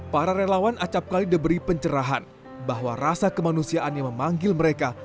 para relawan acapkali diberi pencerahan bahwa rasa kemanusiaan yang memanggil mereka